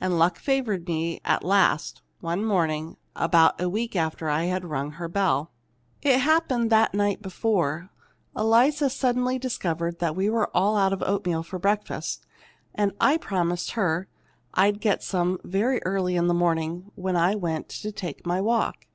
And luck favored me at last, one morning, about a week after I'd rung her bell. "It happened that the night before, Eliza suddenly discovered we were all out of oatmeal for breakfast, and I promised her I'd get some very early in the morning, when I went to take my walk.